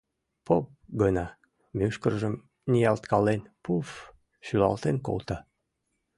Поп гына, мӱшкыржым ниялткален, пуф-ф шӱлалтен колта.